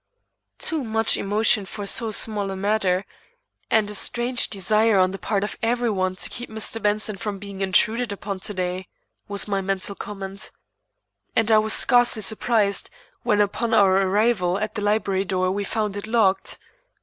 "Too much emotion for so small a matter, and a strange desire on the part of every one to keep Mr. Benson from being intruded upon to day," was my mental comment. And I was scarcely surprised when upon our arrival at the library door we found it locked.